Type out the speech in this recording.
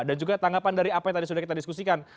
dan juga tanggapan dari apa yang tadi sudah kita diskusikan